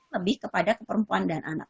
lebih kepada ke perempuan dan anak